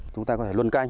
chúng ta có thể luân canh